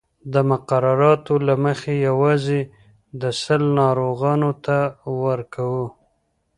د مقرراتو له مخې یوازې د سِل ناروغانو ته ورکوو.